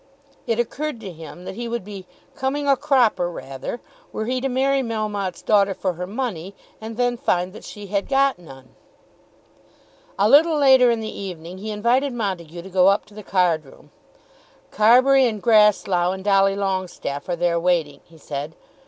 It occurred to him that he would "be coming a cropper rather," were he to marry Melmotte's daughter for her money, and then find that she had got none. A little later in the evening he invited Montague to go up to the card room. "Carbury, and Grasslough, and Dolly Longestaffe are there waiting," he said.